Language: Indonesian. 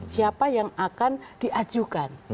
siapa yang akan diajukan